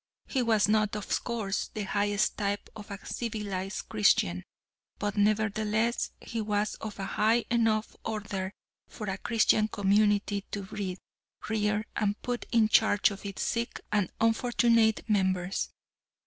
He was not, of course, the highest type of a civilized Christian, but nevertheless he was of a high enough order for a Christian community to breed, rear, and put in charge of its sick and unfortunate members.